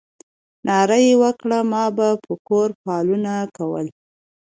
ناره یې وکړه ما به په کور فالونه کول.